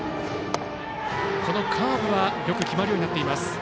カーブはよく決まるようになっています。